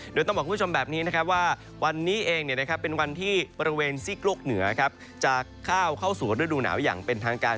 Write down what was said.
โดยต้องบอกคุณผู้ชมแบบนี้นะครับว่าวันนี้เองเป็นวันที่บริเวณซีกโลกเหนือจะเข้าสู่ฤดูหนาวอย่างเป็นทางการ